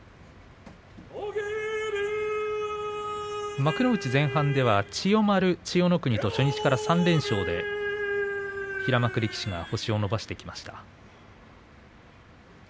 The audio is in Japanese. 幕内前半では千代丸千代の国と初日から３連勝で平幕力士が星を伸ばしてきました。